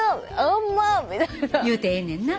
言うてええねんな。